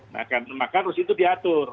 maka harus itu diatur